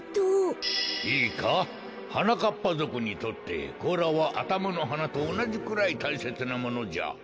いいかはなかっぱぞくにとってこうらはあたまのはなとおなじくらいたいせつなものじゃ。